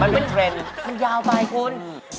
มันไม่เทรนด์มันยาวไปคุณ